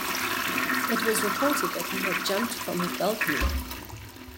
It was reported that he had jumped from his balcony.